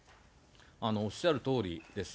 おっしゃるとおりです。